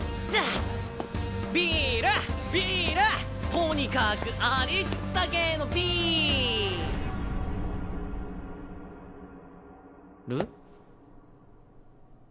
とにかくありったけのビール？